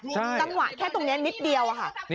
จังหวะแค่ตรงนี้นิดเดียวอะค่ะ